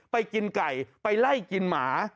ไปกินไก่ไปไล่กินหมา